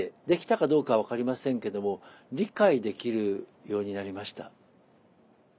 できたかどうかは分かりませんけども理解できるようになりました。